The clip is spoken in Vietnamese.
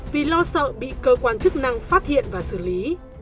vì lo sợ bị cơ quan chức năng phát hiện và xử lý